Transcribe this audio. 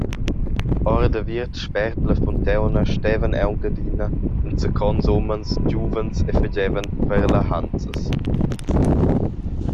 Ordaviert sper la fontauna stevan aunc adina enzacons umens giuvens e fagevan parlahanzas.